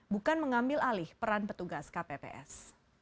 bukan mengambil alih peran petugas kpps